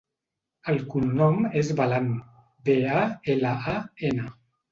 El cognom és Balan: be, a, ela, a, ena.